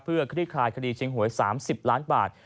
เพื่อคลี่คลายคดีชิงหวย๓๐ล้านบาท